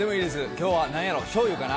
きょうは何やろう、しょうゆかな？